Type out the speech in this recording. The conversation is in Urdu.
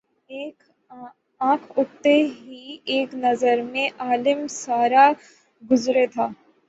آنکھ اٹھتے ہی ایک نظر میں عالم سارا گزرے تھا